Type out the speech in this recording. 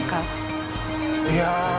いや。